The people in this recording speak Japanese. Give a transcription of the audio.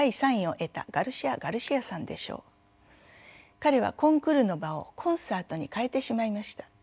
彼はコンクールの場をコンサートに変えてしまいました。